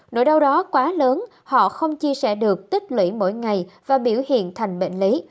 nỗi đau đó quá lớn họ không chia sẻ được tích lũy mỗi ngày và biểu hiện thành bệnh lý